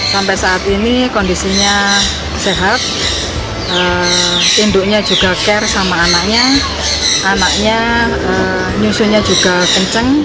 sampai saat ini kondisinya sehat induknya juga care sama anaknya anaknya nyusunya juga kenceng